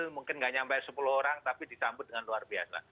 mungkin nggak nyampe sepuluh orang tapi disambut dengan luar biasa